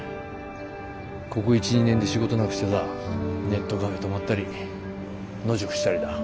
ここ１２年で仕事なくしてさネットカフェ泊まったり野宿したりだ。